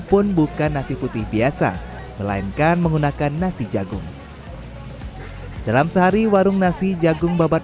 pun bukan nasi putih biasa melainkan menggunakan nasi jagung dalam sehari warung nasi jagung babat